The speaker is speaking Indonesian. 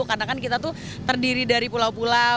karena kan kita tuh terdiri dari pulau pulau